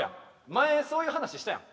前そういう話したやん。